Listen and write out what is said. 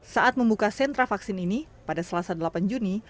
saat membuka sentra vaksin ini pada selasa delapan juni